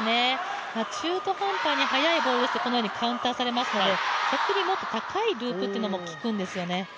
中途半端に速いボールを打つとこのようにカウンターされますので逆にもっと高いループというのも効くんですよね。